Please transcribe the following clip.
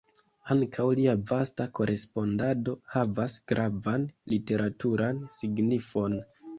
Ankaŭ lia vasta korespondado havas gravan literaturan signifon.